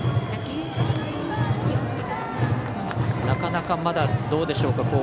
なかなか、どうでしょうか。